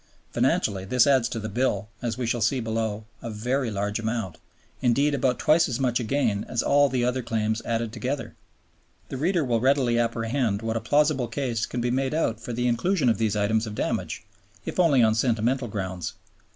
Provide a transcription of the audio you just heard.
Financially this adds to the Bill, as we shall see below, a very large amount, indeed about twice as much again as all the other claims added together. The reader will readily apprehend what a plausible case can be made out for the inclusion of these items of damage, if only on sentimental grounds.